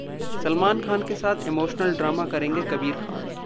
सलमान खान के साथ emotional drama करेंगे कबीर खान